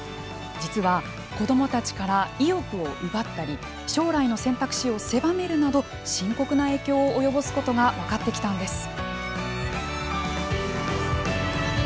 実は子どもたちから意欲を奪ったり将来の選択肢を狭めるなど深刻な影響を及ぼすことが分かってきたんです。